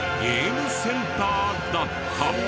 ゲームセンターだった。